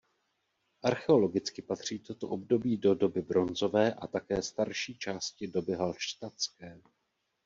Archeologicky patří toto období do doby bronzové a také starší části doby halštatské.